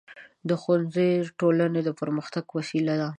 ښوونځی د ټولنې د پرمختګ وسیله ده.